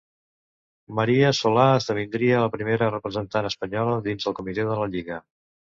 Maria Solà esdevindria la primera representant espanyola dins el comitè de la Lliga.